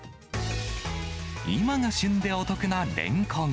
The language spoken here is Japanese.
今が旬でお得なレンコン。